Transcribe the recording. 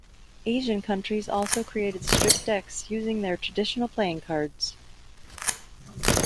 Asian countries also created stripped decks using their traditional playing cards.